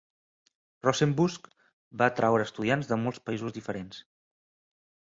Rosenbusch va atraure estudiants de molts països diferents.